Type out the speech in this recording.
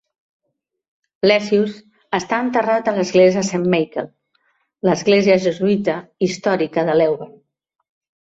Lessius està enterrat a l'església Saint Michael, l'església jesuïta històrica de Leuven.